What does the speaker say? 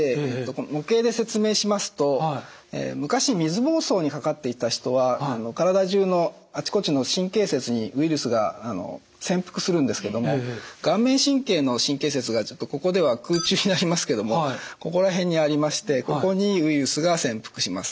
模型で説明しますと昔水ぼうそうにかかっていた人は体中のあちこちの神経節にウイルスが潜伏するんですけども顔面神経の神経節がここでは空中になりますけどもここら辺にありましてここにウイルスが潜伏します。